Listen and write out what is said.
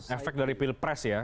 efek dari pilpres ya